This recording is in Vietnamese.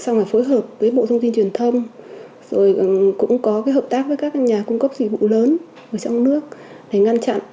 xong rồi phối hợp với bộ thông tin truyền thông rồi cũng có cái hợp tác với các nhà cung cấp dịch vụ lớn ở trong nước để ngăn chặn